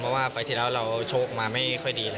เพราะว่าไฟล์ที่แล้วเราโชคมาไม่ค่อยดี